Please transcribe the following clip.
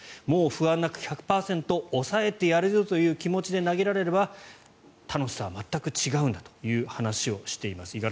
もう不安なく１００％抑えてやるぞという気持ちで投げられれば楽しさは全く違うんだという話をしています。